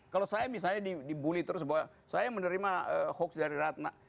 kalau saya misalnya dibully terus bahwa saya menerima hoax dari ratna